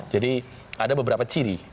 jadi ada beberapa ciri